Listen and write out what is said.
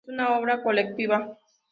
Es una obra colectiva.